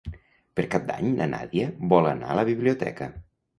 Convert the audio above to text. Per Cap d'Any na Nàdia vol anar a la biblioteca.